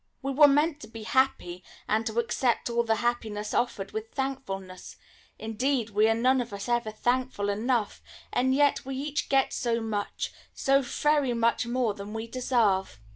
We were meant to be happy, and to accept all the happiness offered with thankfulness indeed, we are none of us ever thankful enough, and yet we each get so much, so very much, more than we deserve.